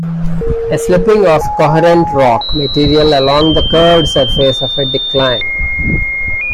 A slipping of coherent rock material along the curved surface of a decline.